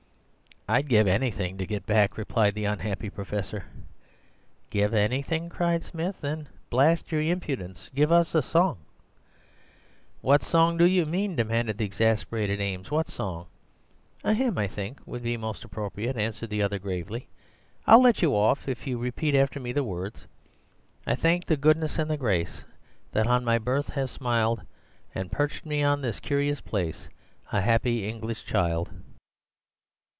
"'I'd give anything to get back,' replied the unhappy professor. "'Give anything!' cried Smith; 'then, blast your impudence, give us a song!' "'What song do you mean?' demanded the exasperated Eames; 'what song?' "'A hymn, I think, would be most appropriate,' answered the other gravely. 'I'll let you off if you'll repeat after me the words— "'I thank the goodness and the grace That on my birth have smiled. And perched me on this curious place, A happy English child.